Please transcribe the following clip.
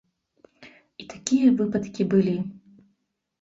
І такія выпадкі былі.